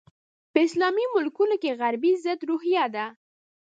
په اسلامي ملکونو کې غربي ضد روحیه ده.